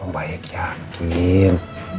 om baik yakin